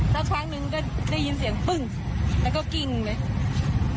สักพักหนึ่งก็ได้ยินเสียงปึ้งแล้วก็กิ้งเลย